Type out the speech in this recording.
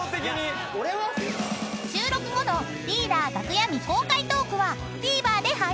［収録後のリーダー楽屋未公開トークはＴＶｅｒで配信。